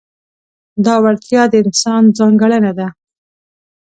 دا وړتیا د انسان ځانګړنه ده.